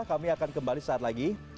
kami akan kembali saat lagi